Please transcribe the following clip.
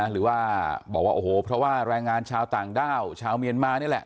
หรือว่าบอกว่าโอ้โหเพราะว่าแรงงานชาวต่างด้าวชาวเมียนมานี่แหละ